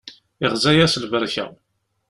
Iɣza-yas lberka.